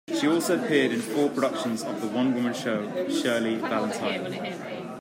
She also appeared in four productions of the one-woman show "Shirley Valentine".